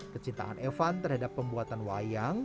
kecintaan evan terhadap pembuatan wayang